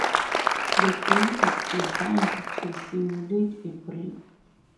The game is designed to simulate a brick.